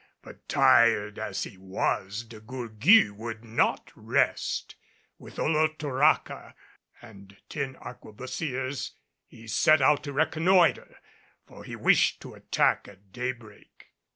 But tired as he was De Gourgues would not rest. With Olotoraca and ten arquebusiers he set out to reconnoiter, for he wished to attack at daybreak.